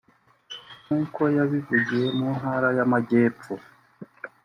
nk’uko yabivugiye mu ntara y’Amajyepfo